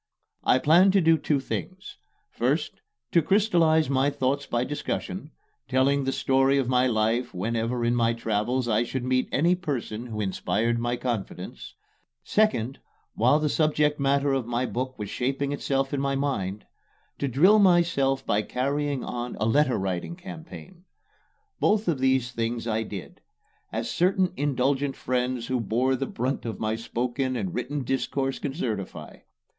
I planned to do two things: first, to crystallize my thoughts by discussion telling the story of my life whenever in my travels I should meet any person who inspired my confidence; second, while the subject matter of my book was shaping itself in my mind, to drill myself by carrying on a letter writing campaign. Both these things I did as certain indulgent friends who bore the brunt of my spoken and written discourse can certify.